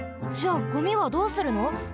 じゃあゴミはどうするの？